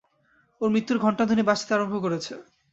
ওর মৃত্যুর ঘন্টাধ্বনি বাজতে আরম্ভ করেছে।